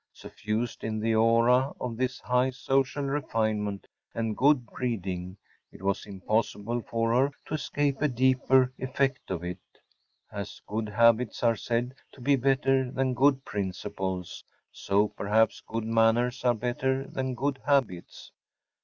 Suffused in the aura of this high social refinement and good breeding, it was impossible for her to escape a deeper effect of it. As good habits are said to be better than good principles, so, perhaps, good manners are better than good habits.